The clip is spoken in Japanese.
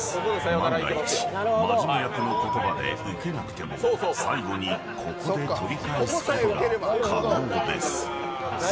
万が一まじめ役の言葉でウケなくても最後にここで取り返すことが可能です。